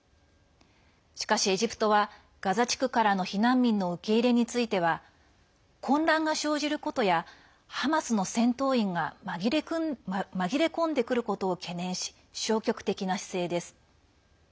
しかし、エジプトはガザ地区からの避難民の受け入れについては混乱が生じることやハマスの戦闘員が紛れ込んでくることを懸念し消極的な姿勢です。